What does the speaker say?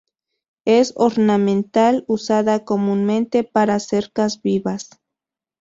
Es ornamental usada comúnmente para cercas vivas.